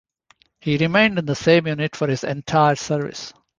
He remained in the same unit for his entire service.